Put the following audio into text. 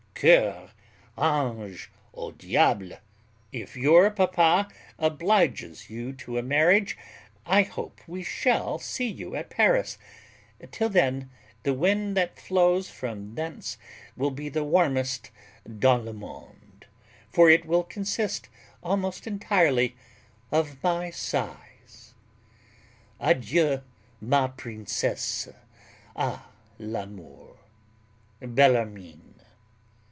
Coeur! Ange! Au diable!_ If your papa obliges you to a marriage, I hope we shall see you at Paris; till when, the wind that flows from thence will be the warmest dans le monde, for it will consist almost entirely of my sighs. Adieu, ma princesse! Ah, l'amour! "BELLARMINE."